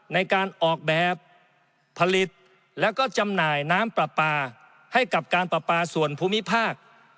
ในการออกแบบผลิตแล้วก็จำหน่ายน้ำปลาปลาให้กับการปลาปลาส่วนภูมิภาค